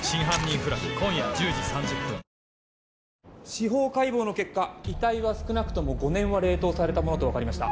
司法解剖の結果遺体は少なくとも５年は冷凍されたものと分かりました。